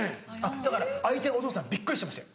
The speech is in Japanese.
だから相手のお父さんびっくりしてましたよ。